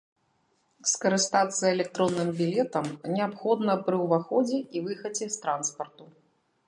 Скарыстацца электронным білетам неабходна пры ўваходзе і выхадзе з транспарту.